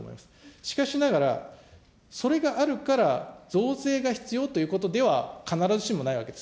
しかしながら、それがあるから増税が必要ということでは必ずしもないわけです。